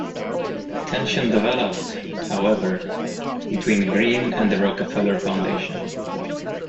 Tension developed, however, between Greene and the Rockefeller Foundation.